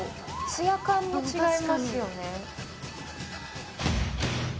ツヤ感も違いますよね。